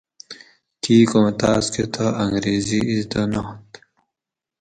کیکوں تاۤس کۤہ تہ انگریزی اِزدہ نات